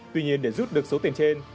tuy nhiên để rút được số tiền trên